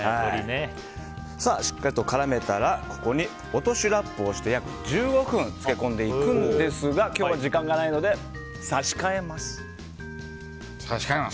しっかりと絡めたらここに落としラップをして約１５分漬け込んでいくんですが今日は時間がないので差し替えます。